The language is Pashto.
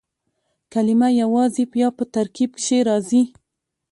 کلیمه یوازي یا په ترکیب کښي راځي.